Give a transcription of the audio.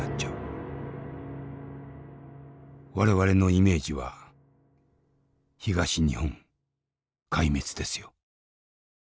我々のイメージは東日本壊滅ですよ。